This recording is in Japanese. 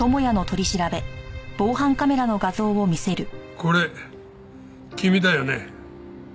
これ君だよね？